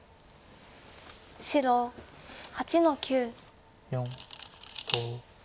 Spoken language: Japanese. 白８の九。